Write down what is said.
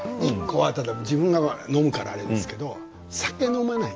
自分が飲むからあれですけど酒を飲まない、